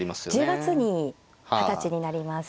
１０月に二十歳になります。